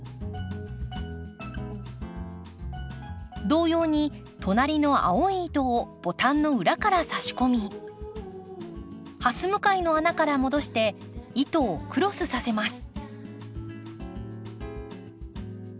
同様に隣の青い糸をボタンの裏から差し込みはす向かいの穴から戻して糸をクロスさせます。